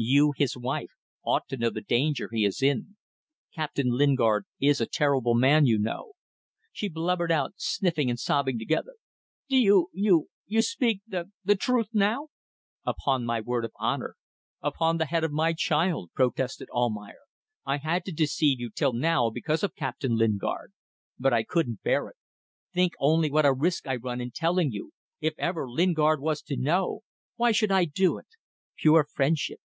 "You, his wife, ought to know the danger he is in. Captain Lingard is a terrible man, you know." She blubbered out, sniffing and sobbing together. "Do you ... you ... speak ... the ... the truth now?" "Upon my word of honour. On the head of my child," protested Almayer. "I had to deceive you till now because of Captain Lingard. But I couldn't bear it. Think only what a risk I run in telling you if ever Lingard was to know! Why should I do it? Pure friendship.